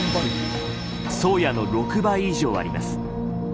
「宗谷」の６倍以上あります。